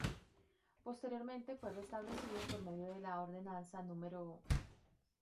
Posteriormente fue restablecido por medio de la ordenanza No.